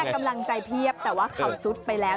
กำลังใจเพียบแต่ว่าเขาซุดไปแล้ว